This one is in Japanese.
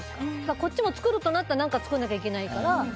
こっちも作るとなると何か作らなきゃいけないから。